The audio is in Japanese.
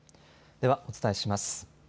では、お伝えします。